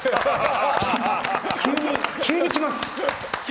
急に来ます。